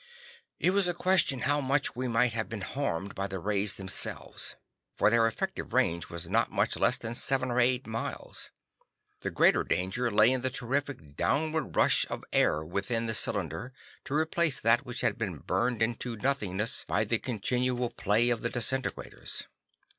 It was a question how much we might have been harmed by the rays themselves, for their effective range was not much more than seven or eight miles. The greater danger lay in the terrific downward rush of air within the cylinder to replace that which was being burned into nothingness by the continual play of the disintegrators.